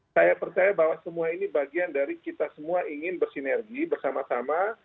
saya percaya bahwa semua ini bagian dari kita semua ingin bersinergi bersama sama